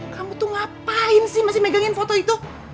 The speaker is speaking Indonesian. kamu tuh ngapain sih masih megangin foto itu